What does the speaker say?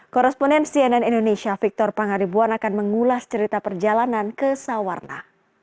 koresponen cnn indonesia victor pangaribuan akan mengulas cerita perjalanan ke sawarna